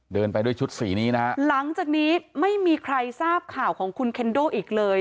เดินไปด้วยชุดสีนี้นะฮะหลังจากนี้ไม่มีใครทราบข่าวของคุณเคนโดอีกเลย